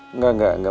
enggak enggak enggak